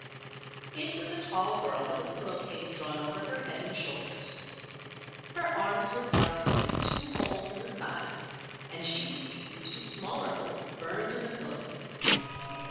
It was a tall girl with a pillow case drawn over her head and shoulders. Her arms were thrust through two holes in the sides and she could see through two smaller holes burned in the pillow case.